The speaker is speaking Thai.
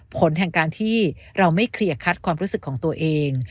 ผลแห่งการที่เราไม่เคลียร์คัดความรู้สึกของตัวเอง